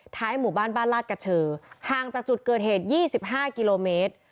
หมู่บ้านบ้านลาดกระเชอห่างจากจุดเกิดเหตุ๒๕กิโลเมตร